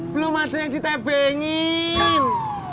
belum ada yang ditebengin